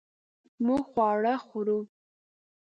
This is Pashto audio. مونږ خواړه خورو